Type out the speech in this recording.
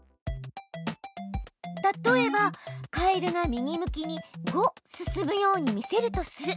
例えばカエルが右向きに「５」進むように見せるとする。